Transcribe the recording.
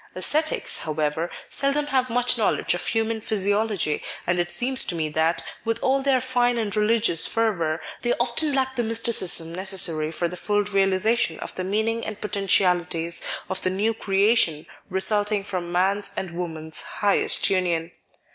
Ascetics, however, seldom have much knowledge of human physiology, and it seems to me that, with all their fine and re ligious fervour, they often lack the mysticism neces sary for the full realisation of the meaning and poten tialities of the new creation resulting from man's and woman's highest union.